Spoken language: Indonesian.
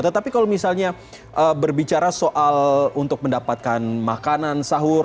tetapi kalau misalnya berbicara soal untuk mendapatkan makanan sahur